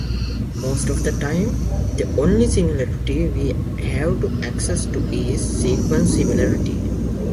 Most of the time the only similarity we have access to is sequence similarity.